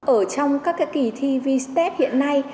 ở trong các kỳ thi vstep hiện nay